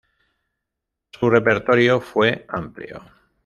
Su repertorio fue amplio.